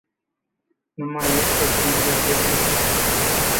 Nu mai este timp de pierdut.